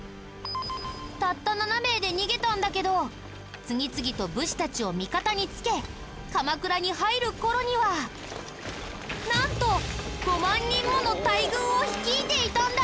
たった７名で逃げたんだけど次々と武士たちを味方につけ鎌倉に入る頃にはなんと５万人もの大軍を率いていたんだ！